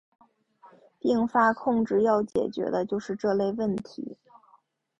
并发控制要解决的就是这类问题。